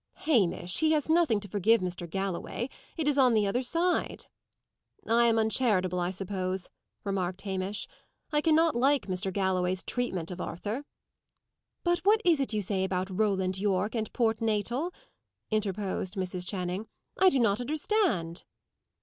"Hamish! He has nothing to forgive Mr. Galloway. It is on the other side." "I am uncharitable, I suppose," remarked Hamish. "I cannot like Mr. Galloway's treatment of Arthur." "But what is it you say about Roland Yorke and Port Natal?" interposed Mrs. Channing. "I do not understand."